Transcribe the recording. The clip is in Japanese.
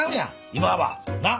今はなっ？